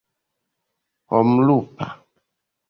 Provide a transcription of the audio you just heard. homlupa